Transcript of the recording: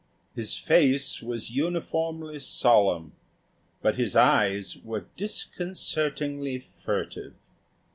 His face was uniformly solemn, but his eyes were disconcertingly furtive.